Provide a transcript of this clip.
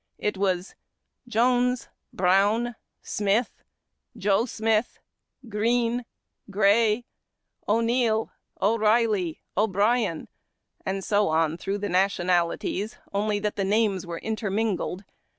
It was " Jones !"— Brown !"—" Smith !"—" Joe Smith !" "Green !"" Gray !"" O'Neil !" O'Reilly !"— "O'Brien!" and so on through the nationalities, only that the names were intermingled.